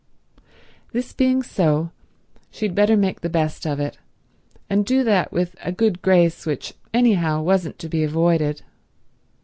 This being so, she had better make the best of it, and do that with a good grace which anyhow wasn't to be avoided.